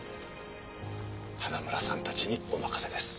花村さんたちにお任せです。